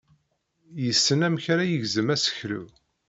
Yessen amek ara yegzem aseklu.